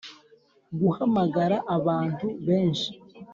guhamagara abantu benshi